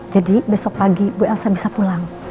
jadi besok pagi bu elsa bisa pulang